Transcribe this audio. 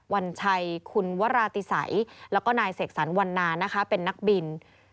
วันชัยคุณวราติสัยแล้วก็นายเสกสรรวันนานะคะเป็นนักบิน